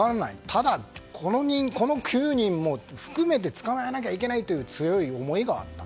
ただ、この９人も含めて捕まえなきゃいけないという強い思いがあった。